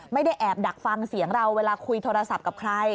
ไม่ได้แอบดักฟังเสียงเราเวลาคุยโทรศัพท์กับใคร